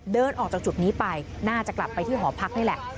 เดินออกจากจุดนี้ไปน่าจะกลับไปที่หอพักนี่แหละ